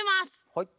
はい。